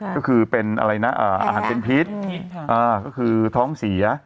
ก็คือเป็นอะไรนะอาหารเป็นพิษก็คือท้องเสีย